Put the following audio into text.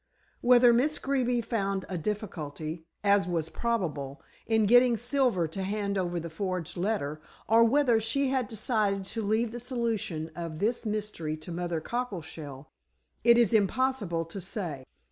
Whether Miss Greeby found a difficulty, as was probable, in getting Silver to hand over the forged letter, or whether she had decided to leave the solution of this mystery to Mother Cockleshell, it is impossible to say.